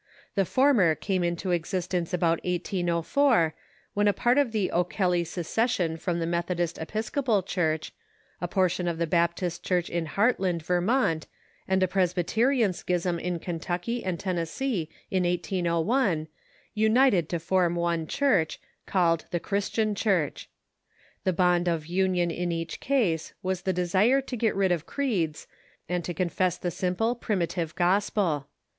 The former The Christians, (.^i^g jj^^^^ existence about 1804, when a part of so called '^ the OTvelly secession from the Methodist Epis copal Church, a portion of the Baptist Church in Hartland, Vermont, and a Presbyterian schism in Kentucky and Ten nessee in 1801, united to form one Church, called the Chris tian Church. The bond of union in each case was the desire to get rid of creeds, and to confess the simple primitive gos pel.